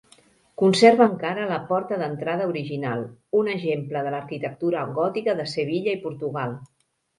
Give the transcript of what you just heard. Conserva encara la porta d'entrada original, un exemple de l'arquitectura gòtica de Sevilla i Portugal.